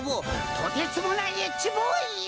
とてつもないＨボーイよ！